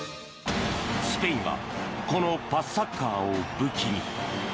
スペインはこのパスサッカーを武器に。